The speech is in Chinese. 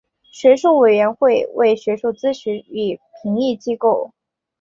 学术委员会为学术咨询与评议机构。